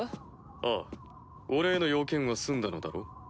ああ俺への用件は済んだのだろう？